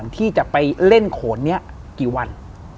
ที่จะไปเล่นโขนนี้กี่วัน